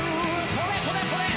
これこれこれ！